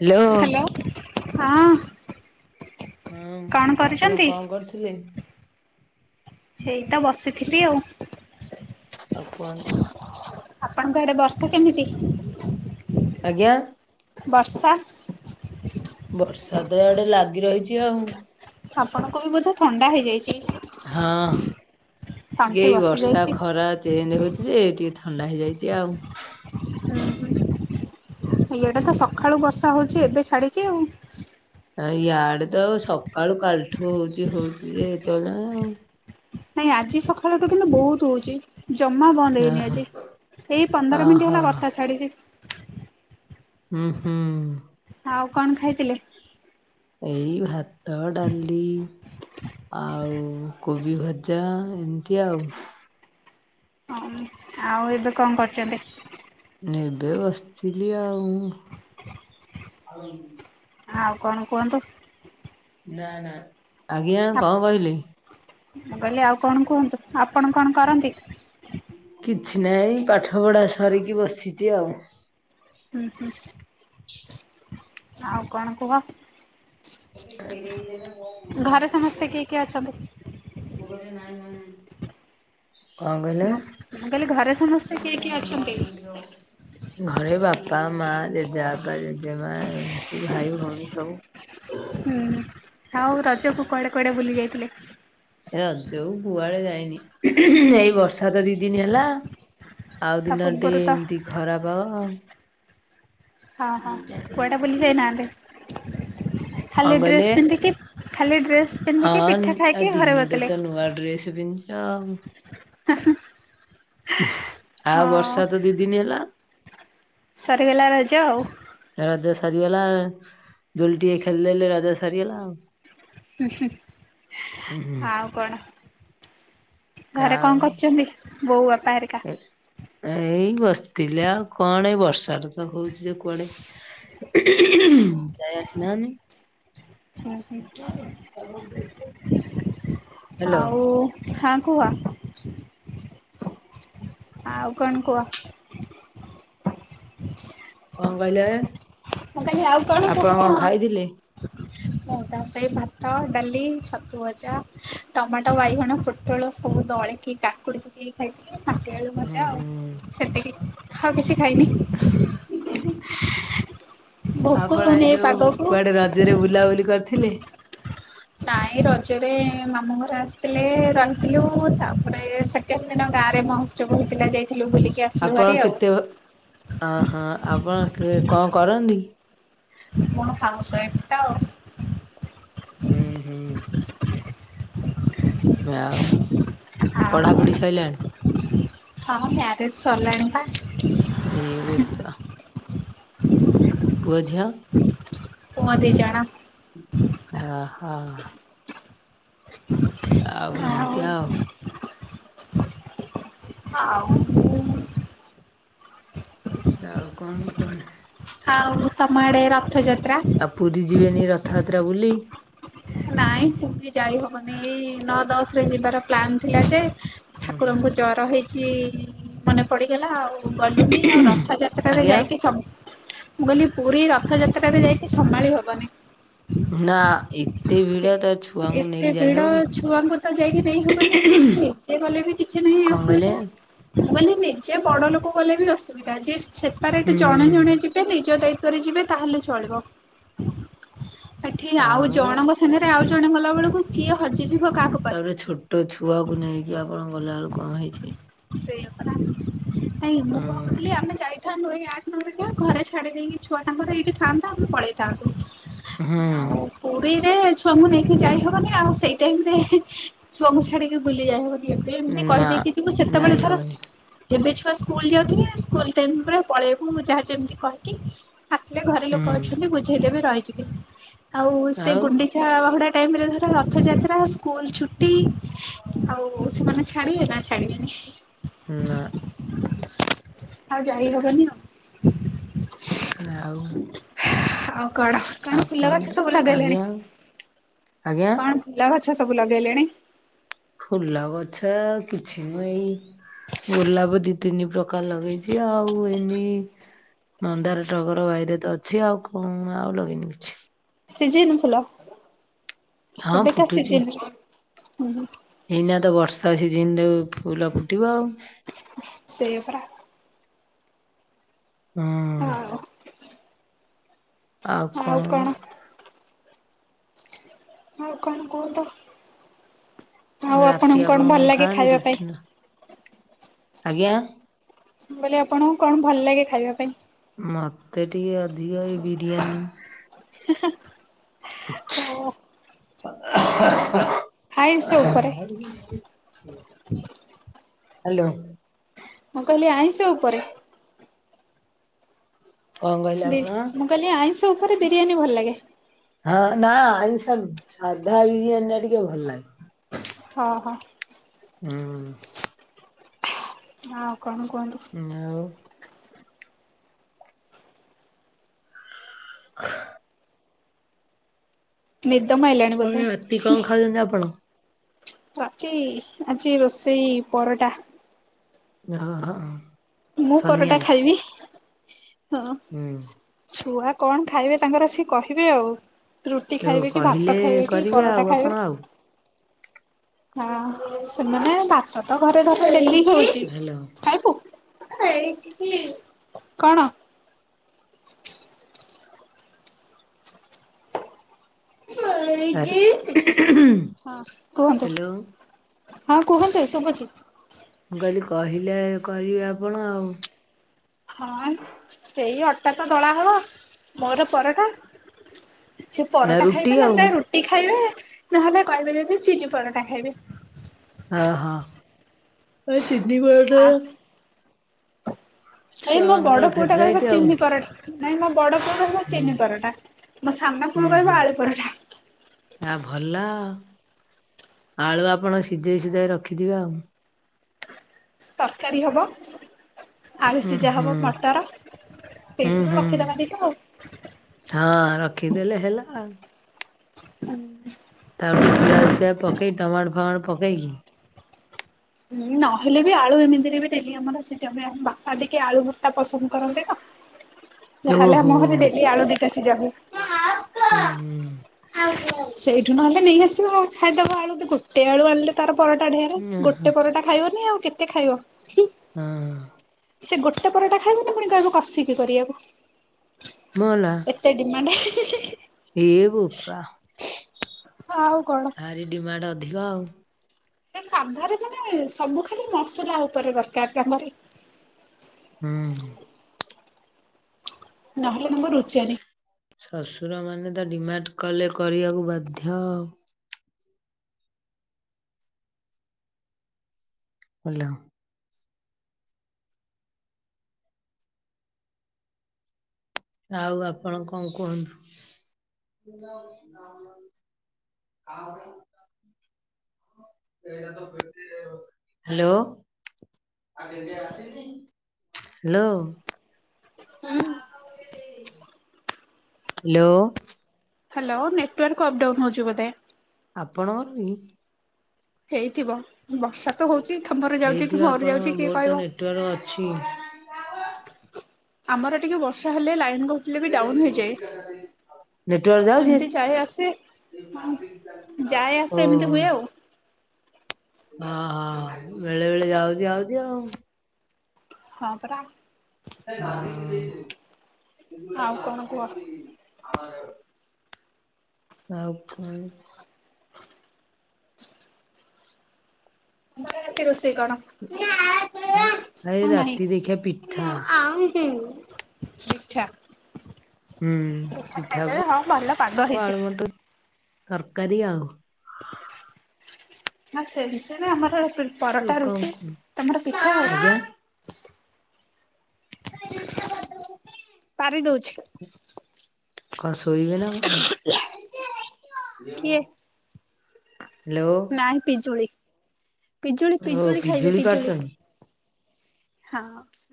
Hello. Hello. ହଁ ହଁ କଣ ଆପଣ କରୁଛନ୍ତି? କଣ କରୁଥିଲେ? ହେଇତ ବସିଥିଲି ଆଉ ଆଉ କୁହନ୍ତୁ? ଆପଣଙ୍କ ଆଡେ ବର୍ଷା କେମିତି? ଆଜ୍ଞା। ବର୍ଷା। ବର୍ଷାତ ଏଆଡେ ଲାଗି ରହିଛି ଆଉ ଆପଣଙ୍କୁ ବି ବୋଧେ ଥଣ୍ଡା ହଁ ହେଇଯାଇଛି। ଟିକେ ତଣ୍ଟି ଏଇ ବସି ବର୍ଷା ଯାଇଛି। ଖରା ଚେଞ୍ଜ ହଉଛି ଯେ ଟିକେ ଥଣ୍ଡା ହେଇଯାଇଛି ଆଉ ଏଇଟା ତ ସକାଳୁ ବର୍ଷା ହଉଛି ଏବେ ଛାଡିଛି ଆଉ ଆ ୟାଡେ ତ ସକାଳୁ କାଲଠୁ ହଉଚ ହଉଛି ଯେ ଏତେବେଳେ ଯାଏଁ। ନାଇଁ ଆଜି ସକାଳୁ ତ କିନ୍ତୁ ବହୁତ ହଉଛି। ଜମା ବନ୍ଦ ହେଇନି ଆଉ। ଆଜି ଏଇ ଓହୋ ପନ୍ଦର ମିନିଟ୍ ଓହୋ ହେଲା ବର୍ଷା ଛାଡ଼ିଛି। ହୁଁ ହୁଁ। ଆଉ କଣ ଖାଇଥିଲେ? ଏଇ ଭାତ ଡାଲି। ଆଉ କୋବି ଭଜା ଏମିତି ଆଉ ହଁ ଆଉ ଏବେ କଣ କରୁଛନ୍ତି? [inaudible] ଏବେ ବସିଥିଲି ଆଉ ଆଉ କଣ କୁହନ୍ତୁ? ନା ନା ଆଜ୍ଞା କଣ କହିଲି? ମୁଁ କହିଲି ଆଉ କଣ କୁହନ୍ତୁ, ଆପଣ କଣ କରନ୍ତି? କିଛି ନାହିଁ ପାଠ ପଢ଼ା ସରିକି ବସିଛି ଆଉ ହୁଁ ହୁଁ ଆଉ କଣ କୁହ? ଘରେ ସମସ୍ତେ [unintelligible] କିଏ କିଏ ଅଛନ୍ତି? [unintelligible] କଣ କହିଲେ? ମୁଁ ମୁଁ କହିଲି ଘରେ ସମସ୍ତେ କିଏ କିଏ ଅଛନ୍ତି? [unintelligible] ଘରେ ବାପା ମା ଜେଜେବାପା ଜେଜେମା ଏମିତି ଭାଇ ଭଉଣୀ ସବୁ ହୁଁ ଆଉ ରଜକୁ କୁଆଡ଼େ କୁଆଡ଼େ ବୁଲି ଯାଇଥିଲେ? ରଜ କୁ କୁଆଡେ ଯାଇନି ଏଇ ବର୍ଷା ତ ଦି ଦିନ ହେଲା। ଆଉ ତା ଦିନଟେ ପୂର୍ବରୁ ତ ଏମିତି ଖରାପ ହଁ ହଁ କୁଆଡେ ବୁଲି ଯାଇନାହାନ୍ତି ଖାଲି କଣ କହିଲେ? ଡ୍ରେସ୍ ପିନ୍ଧିକି ଖାଲି ଡ୍ରେସ୍ ହଁ ପିନ୍ଧିକି ପିଠା ଆ ଖାଇକି ଘରେ ଦିନଟୁ ବସିଲେ। ତ ନୂଆ ଡ୍ରେସ୍ ପିନ୍ଧିଚ ଆଉ। [unintelligible] ଆଉ ବର୍ଷା ହଁ ତ ଦି ଦିନ ହେଲା। ସରିଗଲା ରଜ ଆଉ। ରଜ ସରିଗଲା ଦୋଳି ଟିକେ ଖେଳିଦେଲେ ରଜ ସରିଗଲା ଆଉ। ଆଚ୍ଛା ଉହୁଁ ଆଉ କଣ ଘରେ ଆଉ କଣ କରୁଚନ୍ତି ବୋଉ ବାପା ହେରିକା? ଏ ଏଇ ବସିଥିଲ ଆଉ କଣ ଏଇ ବର୍ଷାଟା ତ ହୋଉଚି ଯେ କୁଆଡେ [unintelligible] ଗାଇ ଆସି ନାହାନ୍। ହୁଁ ହୁଁ। ହାଲୋ। ଆଉ ହଁ କୁହ ଆଉ କଣ କୁହ। କଣ କହିଲେ? ମୁଁ କହିଲି ଆଉ କଣ ଆପଣ କୁହ। ଖାଇଥିଲେ? କଣ ତାହା ସେଇ ଭାତ, ଡାଲି, ଛତୁ ଭଜା ଟମାଟ, ବାଇଗଣ, ପୋଟଳ ସବୁ ଦଳକି କାକୁଡି [unintelligible] ଖାଇଥିଲି ମାଟି ଆଳୁ ହୁଁ ମଜା ଆଉ ହୁଁ ସେତିକି ଆଉ କିଛି ଖାଇନି। ଭୋକ ଆପଣ ହଉନି ଏଇ ଯୋଉ ପାଗକୁ କୁଆଡେ ରଜରେ ବୁଲାବୁଲି କରିଥିଲେ? ନାଇଁ ରଜରେ ମାମୁଁ ଘର ଆସିଥିଲେ ରହିଥିଲୁ। ତାପରେ ସେ କେତେ ଦିନ ଗାଁରେ ମହୋତ୍ସବ ହେଇଥିଲା ଯାଇଥିଲୁ ବୁଲିକି ଆସିଲୁ ଭାରି ଆଉ। ଅ ହଁ ଆପଣ କିଏ କଣ କରନ୍ତି? କଣ ହାଉସ୍ ୱାଇଫ ତ। ହୁଁ ହୁଁ। ଆଉ ଆଉ ପଢାପୁଢି ସ‌ଇଲାଣି? ହଁ ମ୍ୟାରେଜ ସରିଲାଣି ପା। ଉଁ ବୋହୁତ [inaudible] ପୁଅ, ଝିଅ। ପୁଅଁ ଦିଇ ଜଣ। ଅ ହ। [inaudible] ଆଉ ଏମିତି ଆଉ। [inaudible] ଆଉ ଆଉ କଣ କୁହନ୍ତୁ। ଆଉ ତମ ଆଡେ ରଥଯାତ୍ରା ଆଉ ପୁରି ଯିବେନି ରଥଯାତ୍ରା ବୁଲି? ନାଇଁ ପୁରି ଯାଇହବନି ଏଇ ନଅ ଦଶରେ ଯିବାର ପ୍ଲାନ୍ ଥିଲା ଯେ ଠାକୁରଙ୍କୁ ଜର ହେଇଚି। ମନେ ପଡିଗଲା ଆଉ ଗଲୁନି ଆଉ ରଥଯାତ୍ରାରେ ଆଜ୍ଞା ଯାଇକି ସବ୍ ମୁଁ କହିଲି ପୁରି ରଥଯାତ୍ରାରେ ଯାଇକି ସମାଳି ହବନି। ନାଁ ଏ ସେ ଏତେ ଭିଡ ଛୁଆଙ୍କୁ ତ ଯାଇକି ନେଇ ହବନିି [unintelligible] ସେ ଗଲେ ବି କିଛି ନାହିଁ କଣ କହିଲେ ଅସୁବିଧା। ମୁଁ କଇଲି ନିଜେ ବଡ ଲୋକ ଗଲେ ବି ଅସୁବିଧା ଯେ ସେପାରେଟ୍ ଜଣେ ହୁଁ ଜଣେ ଯି ବେ ନିଜ ଦାୟିତ୍ୱରେ ଯିବେ ତାହେଲେ ଚଳିବ ଏଠି ଆଉ ଜଣଙ୍କ ସାଙ୍ଗରେ ଆଉ ଜଣେ ଗଲା ବେଳକୁ କିଏ ହଜିଯିବ କାହାକୁ ପାଇବନି। ତାପରେ ଛୋଟ ଛୁଆକୁ ନେଇକି ଆପଣ ଗଲାବେଳୁ କଣ ହେଇଛି? ସେଇ ନାଇଁ ମୁଁ କଉଥିଲି ଉଁ ଆମେ ଯାଇ ଥାନ୍ତୁ ଏଇ ଅଠ ନଅରେ ଯା ଘରେ ଛାଡି ଦେଇକି ଛୁଆ ତାଙ୍କର ଏଇଠି ଥାଆନ୍ତା ଆମେ ପଳେଇଥାନ୍ତୁ। ହୁଁ। ହଉ। ପୁରୀରେ ଛୁଆଙ୍କୁ ନେଇକି ଯାଇହବନି ଆଉ ସେଇ ଟାଇମ୍ ରେ ଛୁଆଙ୍କୁ ଛାଡିକି ବୁଲି ଯାଇ ହବନି। ଏବେ ଏମ୍ତି କହି ନା ଦେଇକି ଯିବୁ ଯାଇ ସେତେବେଳେ ଥର ହବନି ଏବେ ଛୁଆ ସ୍କୁଲ ଯାଉଥିବେ ସ୍କୁଲ ଟାଇମ୍ ରେ ପଳେଇବୁ ମୁଁ ଯାହା ଯେମିତି କହିକି ଆସିଲେ ଘରେ ଲୋକ ହୁଁ ଅଛନ୍ତି ବୁଝେଇଦେବେ ରହିଯିବି ଆଉ ସେ ଗୁଣ୍ଡି ଚା ଟାଇମ୍ ରେ ଧର ରଥଯାତ୍ରା ସ୍କୁଲ୍ ଛୁଟି ଆଉ ସେମାନେ ଛାଡିଏ ନା ଛାଡିବେନି? ନା। ଆଉ ଯାାଇ ହବନି ଆଉ। ଆଉ। ଆଉ କଣ କଣ ଫୁଲ ଆପଣ ଗଛ ସବୁ ଲଗେଇଲେଣି? ଆଜ୍ଞା। ଆଜ୍ଞା କଣ ଫୁଲ ଗଛ ସବୁ ଲଗେଇଲେଣି? ଫୁଲ ଗଛ କିଛି ନୁଁଅ ଏଇ ଗୋଲାପ ଦି ତିନି ପ୍ରକାର ଲଗେଇଛି ଆଉ ଏନି ମନ୍ଦାର ଟଗର ବାଇରେ ତ ଅଛି ଆଉ କଣ ଆଉ ଲଗେଇନି କିଛି। ସିଜିନ୍ ଫୁଲ ହଁ ଏବେକା ଫୁଟୁଛି। ସିଜିନ୍ ରେ ହୁଁ ହୁଁ। ଏଇନା ତ ବର୍ଷା ସିଜିନ୍ ରେ ଫୁଲ ଫୁଟିବ ଆଉ। ସେୟା ପରା। ହୁଁ। ହଁ। ଆଉ କଣ? ଆଉ କଣ କୁହତ? ଆଉ ରାତି ଆପଣଙ୍କୁ ଆପଣ କଣ ଭଲ ଲାଗେ ଖାଆନ୍ତି ଖାଇବା ରୁଟି ପାଇଁ? ନା ଆଜ୍ଞା। ମୁଁ କଇଲି ଆପଣଙ୍କୁ କଣ ଭଲ୍ ଲାଗେ ଖାଇବା ପାଇଁ? ମତେ ଟିକେ ଅଧିକ ଏଇ ବିରିୟାନୀ। ଓ ଆଇଁଷ ଉପରେ ହାଲୋ। ମୁଁ କହିଲି ଆଇଁଷ ଉପରେ। କଣ କହିଲେ ବି ଆପଣ? ମୁଁ କହିଲି ଆଇଁଷ ଉପରେ ବିରିୟାନୀ ଭଲ୍ ଲାଗେ। ହଁ ନା ଆଇଁଷ ସାଧା ବିରିୟାନୀଟା ଟିକେ ଭଲ୍ ଲାଗେ। ଓ ହ। ହୁଁ। ଆଉ କଣ କୁହନ୍ତୁ। ଆଉ। ହ ନିଦ ମାଇଲାଣି ଆଉ ବୋଧେ। ରାତି କଣ ଖାଉଛନ୍ତି ଆପଣ? ରାତି ଆଜି ରୋଷେଇ ପରଟା। [unintelligible] ମୁଁ ପରଟା ଶନିବାରେ। ଖାଇବି ହଁ। ହୁଁ। ଛୁଆ କଣ ଖାଇବେ ତାଙ୍କର ସିଏ କହିବେ ଆଉ। ରୁଟି ଯୋଉ ଖାଇବେ କି ଭାତ କହିଲେ ଖାଇବେ କି କରିବେ ପରଟା ଆଉ ଖାଇବେ। ଆପଣ ଆଉ। ହଁ ସେମାନେ ଭାତ ତ ଘରେ ଧର ଡେଲି ହଉଛି। ହ୍ୟାଲୋ। [unintelligible] କୁହନ୍ତୁ। ହ୍ୟାଲୋ ହଁ କୁହନ୍ତୁ ଶୁଭୁଛି। ମୁଁ କହିଲି କହିଲେ କରିବେ ଆପଣ ଆଉ। ହଁ ସେଇ ଅଟା ତ ଦଳା ହବ ମୋର ପରଟା। ସିଏ ନା ପରଟା ରୁଟି ଖାଇବେ ଆଉ ନହେଲେ ରୁଟି ଖାଇବେ, ନହେଲେ କହିବେ ଯଦି ଚିନି ପରଟା ଖାଇବେ। ଅ ହଁ, ଏ, ଚିନି ପରଟା। ଏଇ ଛୁଆ ମୋ ମାନଙ୍କର ବଡ ପୁଅଟା ଫେବରାଇଟ କହିବ ଆଉ ଚିନି ପରଟା। ନାଇଁ ମୋ ବଡ ପୁଅ କହିବ ହୁଁ। ଚିନି ପରଟା, ମୋ ସାନ ପୁଅ ହୁଁ ହୁଁ କହିବ ଆଳୁ ପରଟା। ଆ ଭଲ। ଆଳୁ ଆପଣ ସିଝେଇ ସିଝାଇ ରଖିଥିବେ ଆଉ। ତରକାରୀ ହବ। ଆଳୁ ହୁଁ ସିଝା ହୁଁ ହବ ମଟର ହୁଁ ସେଇଥିରୁ ହୁଁ ରଖିଦବା ଦି ଟା ଆଉ। ହଁ, ରଖିଦେଲେ ହେଲା ଆଉ। ହୁଁ। ତାକୁ ଟିକେ ପିଆଜ ଫିଆଜ ପକେଇ ଟମାଟୋ ଫମାଟୋ ପକେଇକି। ହୁଁ ନହେଲେ ବି ଆଳୁ ଏମିତିରେ ବି ଡେଲି ଆମର ସିଜା ହୁଏ ଆମ ବାପା ଟିକେ ଆଳୁ ଭତ୍ତା ପସନ୍ଦ କରନ୍ତୀ ତ। ଯାହା ହେଲେ ଓହୋ। ଆମ ଘରେ ଡେଲି ଆଳୁ ଦିଟା ସିଝା ହୁଏ। ହୁଁ ହୁଁ ସେଇଠୁ ନହେଲେ ନେଇ ଆସିବ ଖାଇଦବ ଆଳୁ ଗୋଟେ ଆଳୁ ଆଣିଲେ ତାର ପରଟା ଢେରେ। ହଁ। ଗୋଟା ଖାଇବନି ଆଉ କେତେ ଖାଇବ? ହୁଁ। ସେ ଗୋଟେ ପରଟା ଖାଇବନି ପୁଣି କହିବ କସିକି କରିବାକୁ। ମଲା ଏତେ ଡିମାଣ୍ଡ। ଏ ବୋପା। ଆଉ କଣ? ଭାରି ଡିମାଣ୍ଡ ଅଧିକ ଆଉ। ସେ ସାଧାରେ ମାନେ ସବୁ ଖାଲି ମସଲା ଉପରେ ଦରକାର ତାଙ୍କରି। ହୁଁ। ନହେଲେ ତାଙ୍କୁ ରୁଚେନି। ଶଶୁର ମାନେ ତ ଡିମାଣ୍ଡ କଲେ କରିବାକୁ ବାଧ୍ୟ। ଭଲ। ଆଉ ଆପଣ କଁ କୁହନ୍ତୁ? ଆଉ ହାଲୋ। ହାଲୋ। ହୁଁ। Hello. Hello network up down ହେଉଚି ବୋଧେ? [unintelligible] ହେଇଥିବ, ବର୍ଷା ତ ହଉଚି ତମର ଯାଉଚି କି ହେଇଥିବ ମୋର ଆପଣଙ୍କର ଯାଉଚି କିଏ କହିବ। [unintelligible] ଅଛି। ଆମର ଟିକେ ବର୍ଷା ହେଲେ ଲାଇନ୍ କ [inaudible] ନେଟୱର୍କ ଯାଉଚି ଏମିତି ଯାଏ ଆସେ ହଁ ହାରି, ଯାଏ ଆସେ ଏମିତି ଓହୋ। ହୁଏ ଆଉ। ହଁ-ହଁ ବେଳେବେଳେ ଯାଉଚି ଆଉଚି ଆଉ। ହଁ ପରା। ଆଉ କଣ କୁହ [inaudible] ଆଉ କଣ? [unintelligible] ରାତିରେ ରୋଷେଇ କଣ? ଏଇ ହଁ ନାହିଁ। ରାତିକି ଦେଖିିଆ ପିଠା। ପିଠା। ହୁଁ, ପିଠା ଖାଇଦେବେ ପିଠାକୁ ହଁ ଭଲ ପାଗ ହେଇଛି। ଆଳୁମଟର ତରକାରୀ ଆଉ। ନା ସେ ବିଷୟେରେ ଆମର [unintelligible] ଓ ପରଟା କଣ ରୁଟି, ତମର ପିଠା ଆଜ୍ଞା [unintelligible] ପାରି ଦଉଚି। କଣ ଶୋଇବେ ନା କଣ? କିଏ ହାଲୋ। ନାଇଁ ଓ ପିଜୁଳି-ପିଜୁଳି-ପିଜୁଳି ଖାଇବେ ପିଜୁଳି। ପାରୁଛନ୍ତି? ହଁ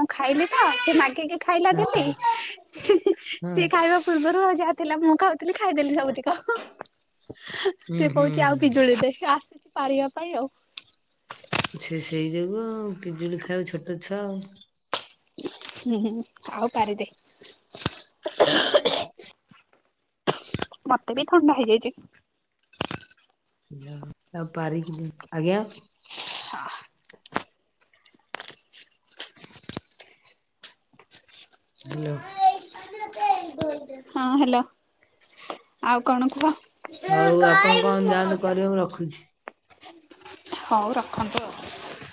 ମୁଁ ଖାଇଲି ତ ସିଏ ମାଗିକି ଖାଇଲା ହଁ ଦିଦି ହିଁ-ହିଁ ହଁ ସିଏ ଖାଇବା ପୂର୍ବରୁ ଆଉ ଯାହା ଥିଲା ମୁଁ ଖାଉଥିଲି ଖାଇଦେଲି ସବୁତିକ ହଁ। ହୁଁ ସେ କହୁଚି ଆଉ ହୁଁ ପିଜୁଳି ଦେ ସିଏ ଆସିଚି ପାରିବା ପାଇଁ ଆଉ। ସେ ସେଇ ଯୋଗୁ ଆଉ, ପିଜୁଳି ଖାଇବ ଛୋଟ ଛୁଆ ଆଉ। ହୁଁ-ହୁଁ ଆଉ ପାରିଦେ। ହୁଁ। ମତେ ବି ଥଣ୍ଡା ହେଇଯାଇଚି। ତାକୁ ପାରିକି [unintelligible] ହାଲୋ। ହଁ ହାଲୋ, ଆଉ କଣ କୁହ। ହଉ ଆପଣ କଣ ଯାଆନ୍ତୁ କରିବେ, ମୁଁ ରଖୁଛି। ହଉ ରଖନ୍ତୁ ଆଉ।